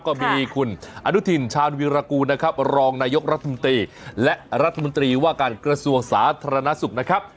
ก็มีคุณอนุทินชาญวีรกูลนะครับรองนายกรัฐมนตรีและรัฐมนตรีว่าการกระทรวงสาธารณสุขนะครับ